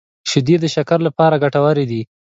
شیدې د شکر لپاره ګټورې دي